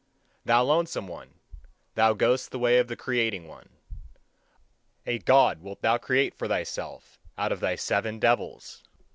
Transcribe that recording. Thou lonesome one, thou goest the way of the creating one: a God wilt thou create for thyself out of thy seven devils!